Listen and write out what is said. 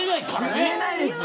言えないですよ。